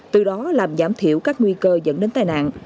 từ đó làm giảm thiểu các nguy cơ dẫn đến tai nạn